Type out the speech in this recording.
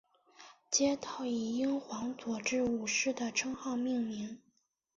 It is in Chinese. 街道以英皇佐治五世的称号命名。